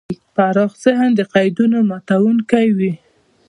پراخ ذهن د قیدونو ماتونکی وي.